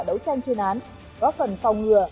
đấu tranh chuyên án góp phần phòng ngừa